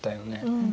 うん。